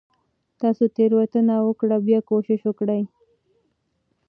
تاسو تيروتنه وکړه . بيا کوشش وکړه